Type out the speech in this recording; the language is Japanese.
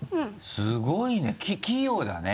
すごいね！